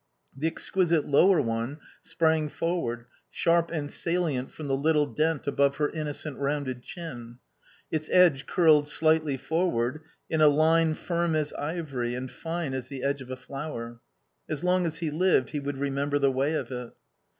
The exquisite lower one sprang forward, sharp and salient from the little dent above her innocent, rounded chin. Its edge curled slightly forward in a line firm as ivory and fine as the edge of a flower. As long as he lived he would remember the way of it.